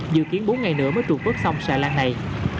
dự kiến bốn ngày nữa mới trục vớt xong xà lan này